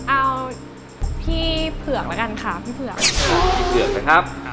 เอาพี่เผือกละกันค่ะพี่เผือก